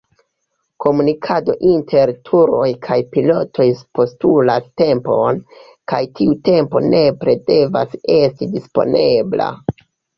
Komunikado inter turoj kaj pilotoj postulas tempon, kaj tiu tempo nepre devas esti disponebla.